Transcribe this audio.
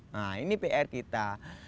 nah ini pr kita